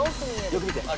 よく見て。